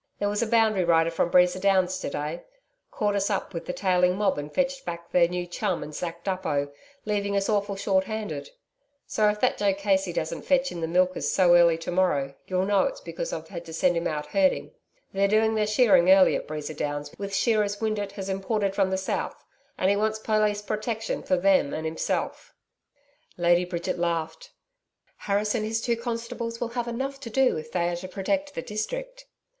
There was a boundary rider from Breeza Downs to day caught us up with the tailing mob and fetched back their new chum and Zack Duppo, leaving us awful short handed so that if Joe Casey doesn't fetch in the milkers so early to morrow you'll know it's because I've had to send him out herding. They're doing their shearing early at Breeza Downs with shearers Windeatt has imported from the south, and he wants police protection for them and himself.' Lady Bridget laughed. 'Harris and his two constables will have enough to do if they are to protect the district.'